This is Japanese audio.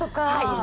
はい。